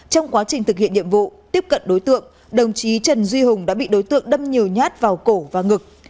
trong quá trình thực hiện nhiệm vụ tiếp cận đối tượng đồng chí trần duy hùng đã bị đối tượng đâm nhiều nhát vào cổ và ngực